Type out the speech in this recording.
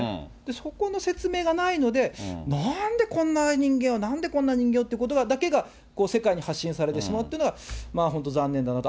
そこの説明がないので、なんでこんな人間を、なんでこんな人間をってことだけが、世界に発信されてしまうっていうのが本当、残念だなと。